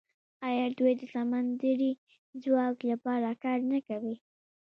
آیا دوی د سمندري ځواک لپاره کار نه کوي؟